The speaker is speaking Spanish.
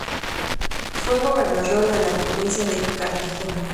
Fue gobernador de la provincia de Cartagena.